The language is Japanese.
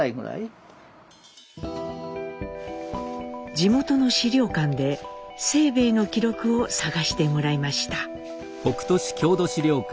地元の資料館で清兵衛の記録を探してもらいました。